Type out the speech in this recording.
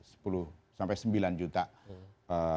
sepuluh sampai sembilan juta